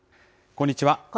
こんにちは。